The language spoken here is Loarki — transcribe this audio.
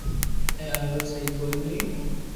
اي ھارو سھي ڪوئي ني